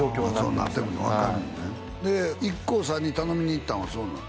そうなってくるの分かるよねで一豪さんに頼みにいったのはそうなん？